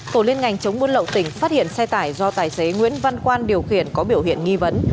tổ liên ngành chống buôn lậu tỉnh phát hiện xe tải do tài xế nguyễn văn quan điều khiển có biểu hiện nghi vấn